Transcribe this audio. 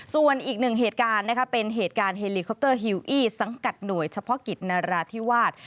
ส่วนอีกหนึ่งเหตุการณ์นะคะเป็นเหตุการณ์เฮลิคอปเตอร์ฮิวอี้สังกัดหน่วยเฉพาะกิจนราธิวาส